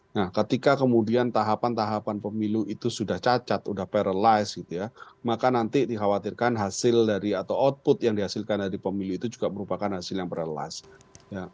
nah ketika kemudian tahapan tahapan pemilu itu sudah cacat sudah paralized gitu ya maka nanti dikhawatirkan hasil dari atau output yang dihasilkan dari pemilu itu juga merupakan hasil yang paralized